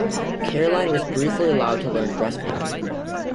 Caroline was briefly allowed to learn dress-making.